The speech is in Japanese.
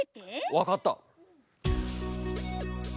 わかった。